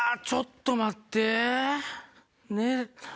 ちょっと待って。